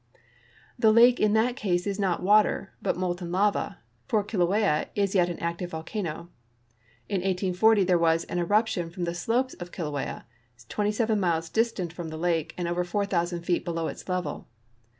The lake in that case is not water, but molten lava, for Kilauea is .yet an active volcano. In 1840 there was an eruption from the slopes of Kilauea, 27 miles dis tant from the lake and over 4,000 feet below its level.